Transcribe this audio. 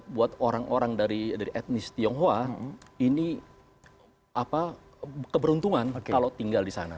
buat orang orang dari etnis tionghoa ini keberuntungan kalau tinggal di sana